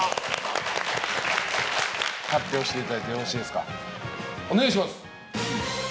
発表していただいてよろしいですか。